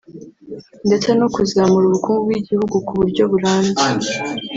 ndetse no kuzamura ubukungu bw’igihugu ku buryo burambye